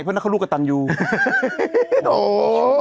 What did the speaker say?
เพราะว่าน่าเข้าลูกกับตันยู